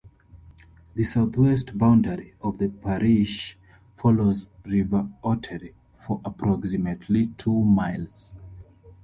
The southwest boundary of the parish follows the River Ottery for approximately two miles.